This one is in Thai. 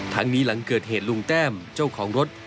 นี้หลังเกิดเหตุลุงแต้มเจ้าของรถ